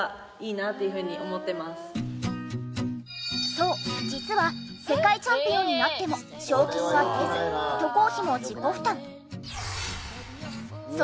そう実は世界チャンピオンになっても賞金は出ず渡航費も自己負担。